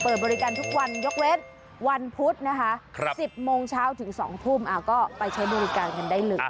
บริการทุกวันยกเว้นวันพุธนะคะ๑๐โมงเช้าถึง๒ทุ่มก็ไปใช้บริการกันได้เลย